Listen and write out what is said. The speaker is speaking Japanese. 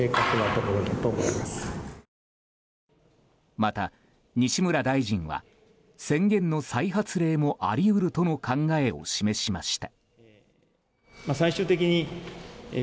また、西村大臣は宣言の再発令もあり得るとの考えを示しました。